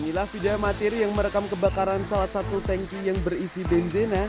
inilah video amatir yang merekam kebakaran salah satu tanki yang berisi benzena